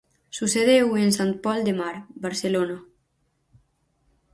Sucedeu en Sant Pol de Mar, Barcelona.